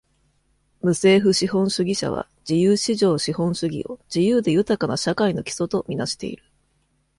無政府資本主義者は、自由市場資本主義を自由で豊かな社会の基礎とみなしている。